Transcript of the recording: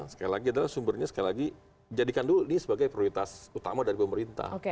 sekali lagi adalah sumbernya sekali lagi jadikan dulu ini sebagai prioritas utama dari pemerintah